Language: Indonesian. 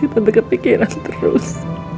tante kepikiran terus